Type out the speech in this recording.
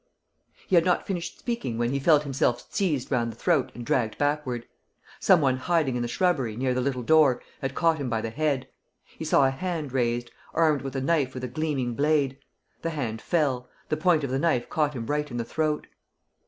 He had not finished speaking when he felt himself seized round the throat and dragged backward. Some one hiding in the shrubbery, near the little door, had caught him by the head. He saw a hand raised, armed with a knife with a gleaming blade. The hand fell; the point of the knife caught him right in the throat.